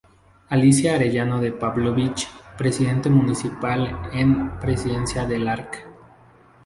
Alicia Arellano de Pavlovich, Presidente Municipal en presencia del Arq.